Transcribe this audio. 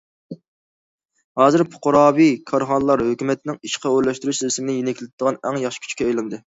ھازىر پۇقراۋى كارخانىلار ھۆكۈمەتنىڭ ئىشقا ئورۇنلاشتۇرۇش بېسىمىنى يېنىكلىتىدىغان ئەڭ ياخشى كۈچكە ئايلاندى.